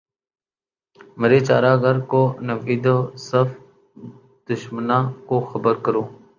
مرے چارہ گر کو نوید ہو صف دشمناں کو خبر کرو